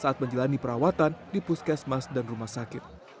saat menjalani perawatan di puskesmas dan rumah sakit